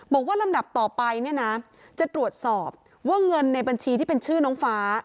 ลำดับต่อไปเนี่ยนะจะตรวจสอบว่าเงินในบัญชีที่เป็นชื่อน้องฟ้า